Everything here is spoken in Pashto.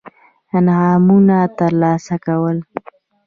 انعامونه ترلاسه کول.